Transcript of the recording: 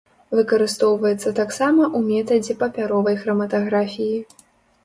Выкарыстоўваецца таксама ў метадзе папяровай храматаграфіі.